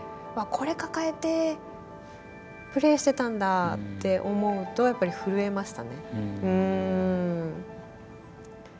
わあこれ抱えてプレーしてたんだって思うとやっぱり震えましたね。